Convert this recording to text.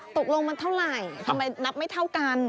ตกลงมันเท่าไหร่ทำไมนับไม่เท่ากัน